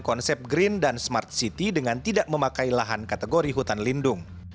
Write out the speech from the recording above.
konsep green dan smart city dengan tidak memakai lahan kategori hutan lindung